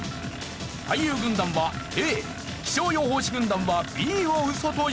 俳優軍団はＡ気象予報士軍団はＢをウソと予想。